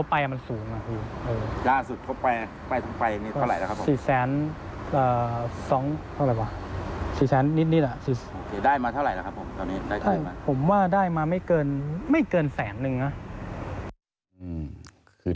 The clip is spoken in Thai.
ผมว่าได้มาไม่เกินแสนนึงนะ